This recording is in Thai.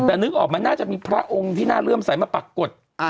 แต่นึกออกมันน่าจะมีพระองค์ที่น่าเลื่อมใสมาปรากฏ